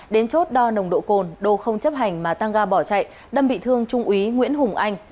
đến chốt đo nồng độ cồn đô không chấp hành mà tăng ga bỏ chạy đâm bị thương trung úy nguyễn hùng anh